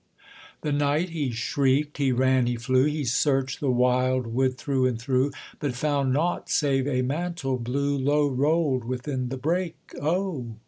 The knight he shrieked, he ran, he flew, He searched the wild wood through and through, But found nought save a mantle blue, Low rolled within the brake O!